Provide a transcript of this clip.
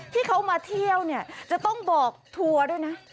ที่เขามาเที่ยวเนี่ยจะต้องบอกทัวร์ด้วยนะ